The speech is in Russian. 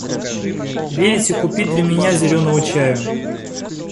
Велите купить для меня зеленого чаю.